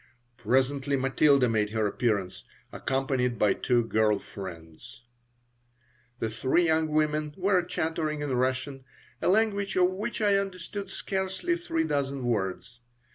Presently Matilda made her appearance. accompanied by two girl friends The three young women were chattering in Russian, a language of which I understood scarcely three dozen words.